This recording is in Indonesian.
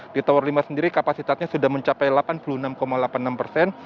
di tower lima sendiri kapasitasnya sudah mencapai delapan puluh enam delapan puluh enam persen